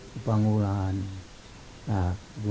tapi anda tidak melihatu